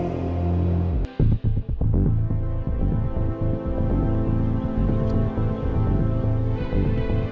kami setelah seluruh perbuatan saya yang dilakukan